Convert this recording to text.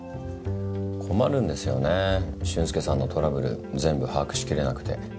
困るんですよね俊介さんのトラブル全部把握しきれなくて。